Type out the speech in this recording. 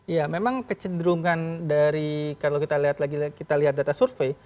ya memang kecenderungan dari kalau kita lihat lagi kita lihat data survei